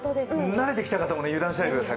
慣れてきた方も油断しないでください。